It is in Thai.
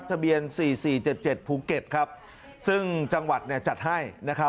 ทะเบียน๔๔๗๗ภูเก็ตซึ่งจังหวัดจัดให้